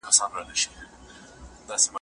د هغه احساس په کمیس کې درته ناست وي